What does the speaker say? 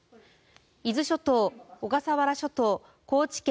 伊豆諸島、小笠原諸島、高知県